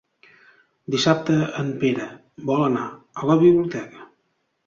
Dissabte en Pere vol anar a la biblioteca.